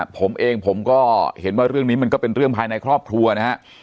ผมเองผมก็เห็นว่าเรื่องนี้มันก็เป็นเรื่องภายในครอบครัวนะฮะ